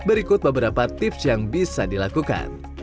berikut beberapa tips yang bisa dilakukan